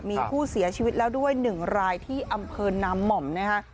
มีผู้เสียชีวิตแล้วด้วย๑รายที่อำเภอนามหม่อมนะฮะ